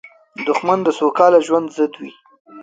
دښمن د سوکاله ژوند ضد وي